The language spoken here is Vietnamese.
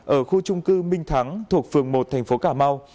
ở khu trung cư minh thắng thuộc phường một thành phố cà mau